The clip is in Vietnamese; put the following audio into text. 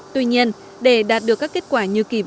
tuy nhiên để đạt được các kết quả